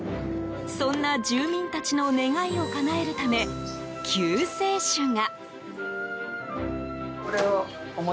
そんな住民たちの願いをかなえるため、救世主が。